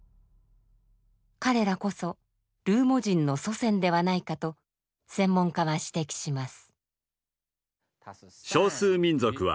彼らこそルーモ人の祖先ではないかと専門家は指摘します。